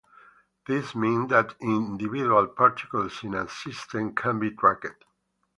This means that individual particles in a system can be tracked.